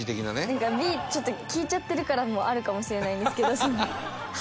なんかＢちょっと聞いちゃってるからもあるかもしれないんですけどその反応がね